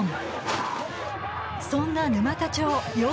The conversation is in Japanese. そんな沼田町夜